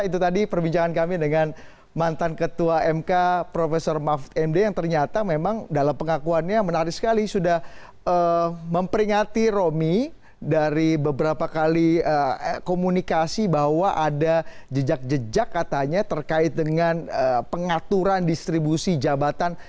itu tadi perbincangan kami dengan mantan ketua mk prof mahfud md yang ternyata memang dalam pengakuannya menarik sekali sudah memperingati romi dari beberapa kali komunikasi bahwa ada jejak jejak katanya terkait dengan pengaturan distribusi jabatan